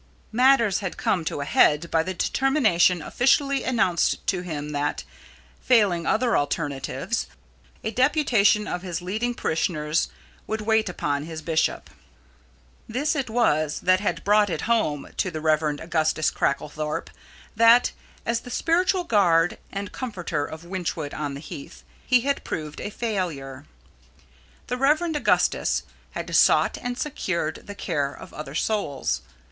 Matters had come to a head by the determination officially announced to him that, failing other alternatives, a deputation of his leading parishioners would wait upon his bishop. This it was that had brought it home to the Rev. Augustus Cracklethorpe that, as the spiritual guide and comforter of Wychwood on the Heath, he had proved a failure. The Rev. Augustus had sought and secured the care of other souls.